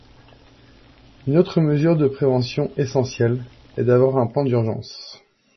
Une autre mesure de prévention essentielle est d'avoir un plan d'urgence.